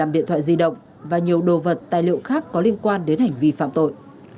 một mươi điện thoại di động và nhiều đồ vật tài liệu khác có liên quan đến hành vi phạm tội